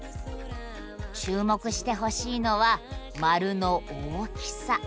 注目してほしいのは丸の大きさ。